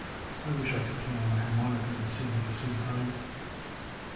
I wish I could play on my harmonica and sing at the same time."